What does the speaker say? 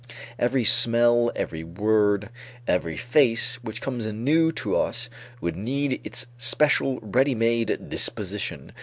Every smell, every word, every face which comes anew to us would need its special ready made disposition.